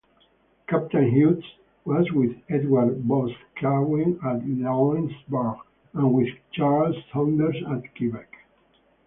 Captain Hughes was with Edward Boscawen at Louisburg and with Charles Saunders at Quebec.